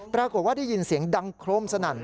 ปรากฏว่าได้ยินเสียงดังโครมสนั่น